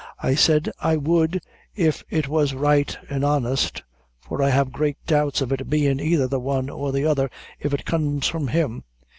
I said I would, if it was right an' honest; for I have great doubts of it bein' either the one or the other, if it comes from him.